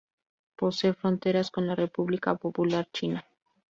Posee fronteras con la República Popular China.